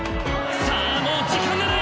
さあもう時間がない！